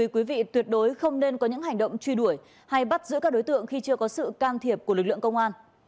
quý vị tuyệt đối không nên có những hành động truy đuổi hay bắt giữ các đối tượng khi chưa có sự can thiệp của lực lượng công an